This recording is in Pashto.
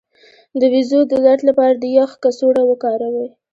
د بیضو د درد لپاره د یخ کڅوړه وکاروئ